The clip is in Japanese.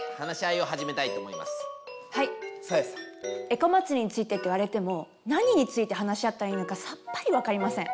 エコまつりについてって言われても何について話し合ったらいいのかさっぱりわかりません。